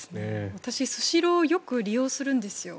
私、スシローよく利用するんですよ。